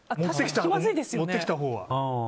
持ってきたほうは。